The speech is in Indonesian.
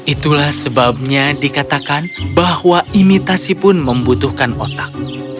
itulah sebabnya dikatakan bahwa imitasi pun membutuhkan otak